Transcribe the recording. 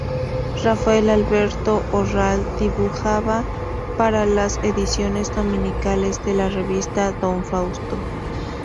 Rafael Alberto o Ral, dibujaba para las ediciones dominicales de la revista Don Fausto.